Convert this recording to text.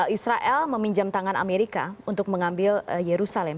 israel meminjam tangan amerika untuk mengambil yerusalem